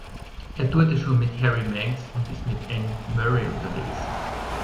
Er tourte schon mit Harry Manx und ist mit Anne Murray unterwegs.